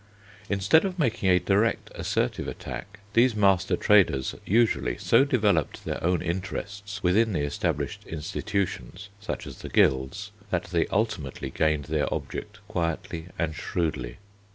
Instead of making a direct assertive attack, these master traders usually so developed their own interests within the established institutions (such as the guilds) that they ultimately gained their object quietly and shrewdly.